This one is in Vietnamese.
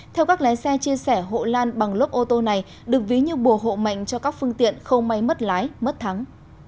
theo các lái xe chia sẻ hộ lan bằng lốp ô tô này được ví như bùa hộ mạnh cho các phương tiện không may mất lái mất thắng